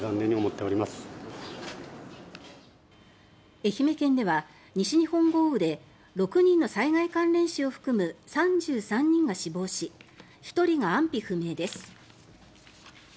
愛媛県では西日本豪雨で６人の災害関連死を含む３３人が死亡し１人が安否不明です。